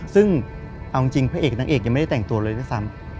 ซึ่งเอาจริงพระเอกนางเอกยังไม่ได้แต่งตัวเลยด้วยซ้ำ